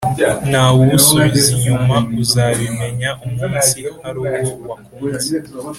ntawubusubiza inyuma uzabimenya umunsi haruwo wakunze"